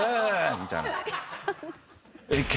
みたいな。